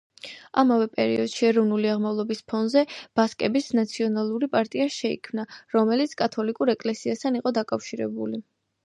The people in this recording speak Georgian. ამავე პერიოდში ეროვნული აღმავლობის ფონზე ბასკების ნაციონალისტური პარტია შეიქმნა, რომელიც კათოლიკურ ეკლესიასთან იყო დაკავშირებული.